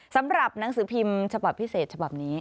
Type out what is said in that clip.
สำหรับหนังสือพิมพ์ฉบับพิเศษฉบับนี้